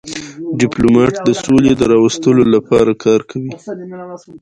ډيپلومات د سولي د راوستلو لپاره کار کوي.